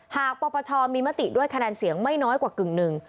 ปปชมีมติด้วยคะแนนเสียงไม่น้อยกว่ากึ่งหนึ่ง